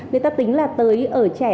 người ta tính là tới ở trẻ